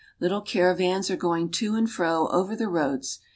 Little cara vans are going to andfl fro over the roads.